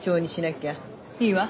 いいわ。